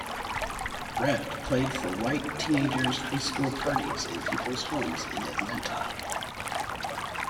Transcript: Red played for white teenagers' high school parties in people's homes in Atlanta.